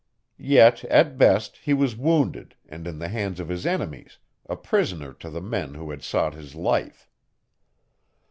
Yet, at best, he was wounded and in the hands of his enemies, a prisoner to the men who had sought his life.